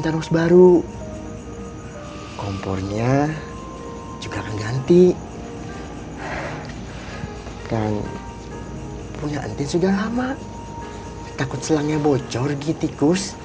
terus baru kompornya juga ganti kan punya nt sudah lama takut selangnya bocor gitu kus